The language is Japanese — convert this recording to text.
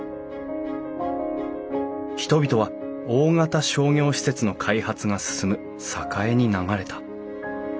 人々は大型商業施設の開発が進む栄に流れた。